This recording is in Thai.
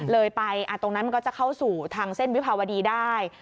เลยไปตรงนั้นมันก็จะเข้าสู่ทางเส้นวิภาวดีได้